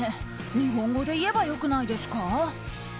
日本語で言えば良くないですか？